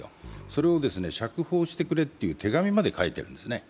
それを釈放してくれという手紙まで書いているんですね。